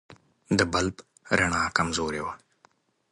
د بلب رڼا کمزورې وه.